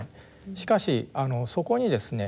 しかしそこにですね